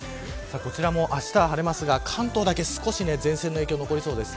こちらもあしたは晴れますが関東だけ、少し前線の影響が残りそうです。